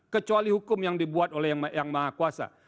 kecuali hukum yang dibuat oleh yang maha kuasa